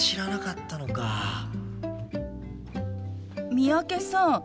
三宅さん